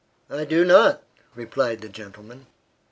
"I do not!" replied the gentleman.